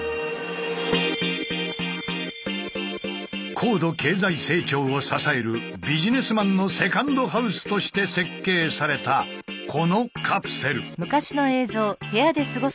高度経済成長を支えるビジネスマンのセカンドハウスとして設計されたこのカプセル。